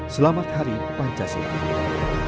selamat hari pancasila